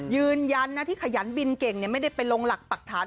ยืนยันนะที่ขยันบินเก่งไม่ได้ไปลงหลักปรักฐาน